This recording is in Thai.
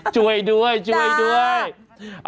ช่วยด้วยช่วยด้วย